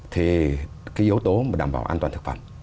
thì cái yếu tố mà đảm bảo an toàn thực phẩm